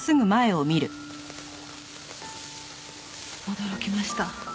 驚きました。